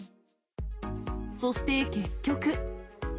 そして、結局。